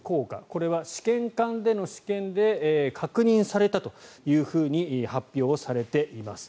これは試験管での試験で確認されたというふうに発表されています。